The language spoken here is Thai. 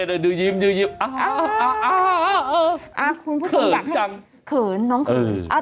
คุณผู้ชมอยากให้ขนน้องขน